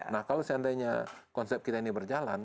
nah kalau seandainya konsep kita ini berjalan